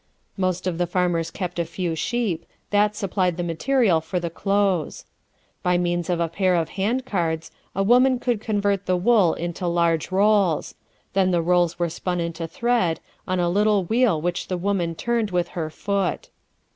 Most of the farmers kept a few sheep; that supplied the material for the clothes. By means of a pair of hand cards, a woman would convert the wool into large rolls; then the rolls were spun into thread, on a little wheel which the woman turned with her foot.